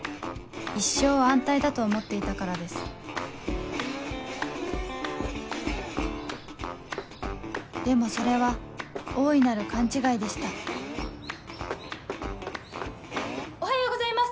一生安泰だと思っていたからですでもそれは大いなる勘違いでしたおはようございます！